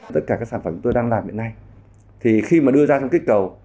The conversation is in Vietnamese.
tất cả các sản phẩm tôi đang làm hiện nay khi đưa ra trong kích cầu